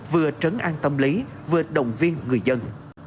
vừa trấn an tâm lý vừa động viên người dân